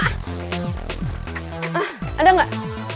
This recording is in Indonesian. ah ada gak